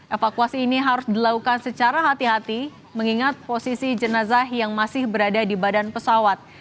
evakuasi ini harus dilakukan secara hati hati mengingat posisi jenazah yang masih berada di badan pesawat